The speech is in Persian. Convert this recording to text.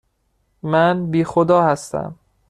من بی خدا هستم.